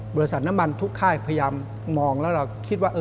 บริษัทน้ำมันพยายามมองแล้วเราว่า